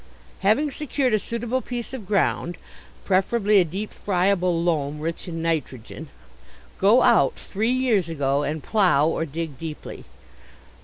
Having secured a suitable piece of ground, preferably a deep friable loam rich in nitrogen, go out three years ago and plough or dig deeply.